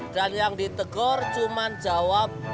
dan yang ditegor cuma jawab